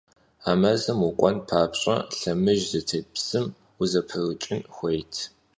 A mezım vuk'uen papş'e, lhemıjj zıtêlh psım vuzeprıç'ın xuêyt.